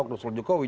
bukan soal jokowi